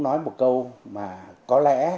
nói một câu mà có lẽ